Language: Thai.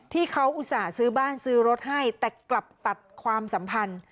อุตส่าห์ซื้อบ้านซื้อรถให้แต่กลับตัดความสัมพันธ์